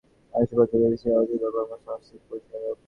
মানুষের প্রত্যেক প্রবৃত্তিই তার অতীতের কর্ম-সমষ্টির পরিচায়ক।